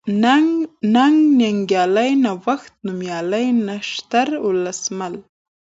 ننگ ، ننگيالی ، نوښت ، نوميالی ، نښتر ، ولسمل